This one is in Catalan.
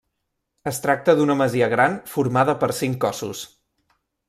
Es tracta d'una masia gran formada per cinc cossos.